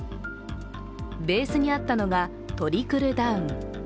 ベースにあったのがトリクルダウン。